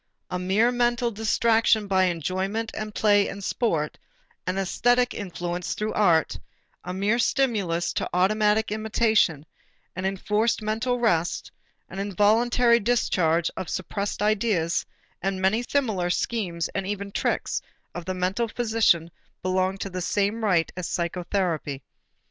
A mere mental distraction by enjoyment and play and sport, an æsthetic influence through art, a mere stimulus to automatic imitation, an enforced mental rest, an involuntary discharge of suppressed ideas, and many similar schemes and even tricks of the mental physician belong with the same right to psychotherapy.